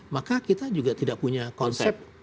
maka kita juga tidak punya konsep